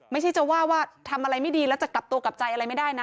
ไม่ใช่จะว่าว่าทำอะไรไม่ดีแล้วจะกลับตัวกลับใจอะไรไม่ได้นะ